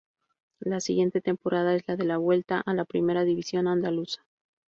La siguiente temporada es la de la vuelta a la Primera División andaluza.